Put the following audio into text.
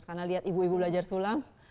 karena lihat ibu ibu belajar sulam